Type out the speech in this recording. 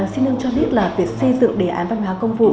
xin ông cho biết là việc xây dựng đề án văn hóa công vụ